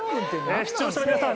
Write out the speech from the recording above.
視聴者の皆さん